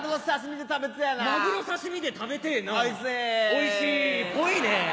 おいしいっぽいね。